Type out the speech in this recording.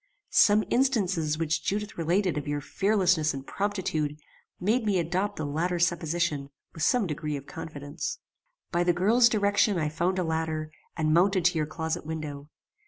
Some instances which Judith related of your fearlessness and promptitude made me adopt the latter supposition with some degree of confidence. "By the girl's direction I found a ladder, and mounted to your closet window.